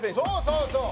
そうそう